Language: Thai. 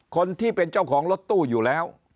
คนที่เป็นเจ้าของรถตู้อยู่แล้ว